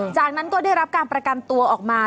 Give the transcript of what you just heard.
จากนั้นก็ได้รับการประกันตัวออกมา